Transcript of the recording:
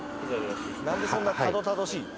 何でそんなたどたどしいの？